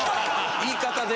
言い方で。